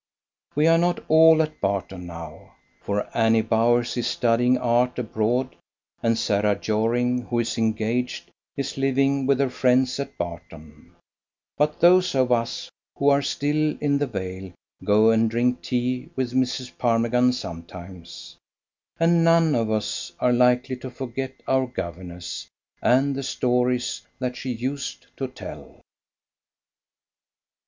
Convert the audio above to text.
We are not all at Barton now, for Annie Bowers is studying art abroad, and Sarah Jorring, who is "engaged," is living with her friends at Barton; but those of us who are still in the Vale go and drink tea with Mrs. Parmigan sometimes, and none of us are likely to forget our governess and the stories that she used to tell.